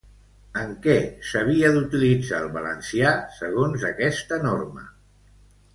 En què s'havia d'utilitzar el valencià, segons aquesta norma?